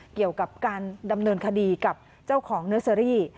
เกี่ยวกับการดำเนินคดีกับเจ้าของเนอร์เซอรี่